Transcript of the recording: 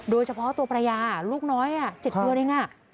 โดยเฉพาะตัวภรรยาลูกน้อย๗ปีได้ไง